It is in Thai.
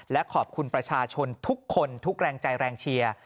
และขอบคุณประชาชนทุกคนทุกแรงใจแรงเชียร์